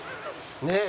ねえ。